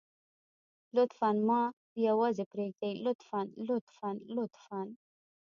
لطفاً ما يوازې پرېږدئ لطفاً لطفاً لطفاً.